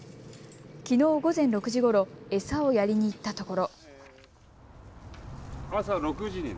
きのう午前６時ごろ餌をやりにいったところ。